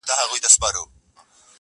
په زرګونو یې تر خاورو کړله لاندي-